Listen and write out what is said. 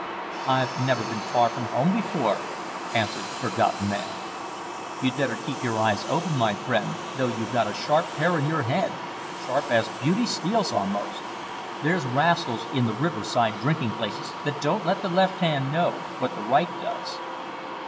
"I've never been far from home before," answered the Forgotten Man. "You'd better keep your eyes open, my friend, though you've got a sharp pair in your head sharp as Beauty Steele's almost. There's rascals in the river side drinking places that don't let the left hand know what the right does."